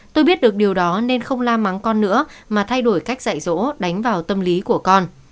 tôi biết được điều đó nên không la mắng con nữa mà thay đổi cách dạy dỗ đánh vào tâm lý của con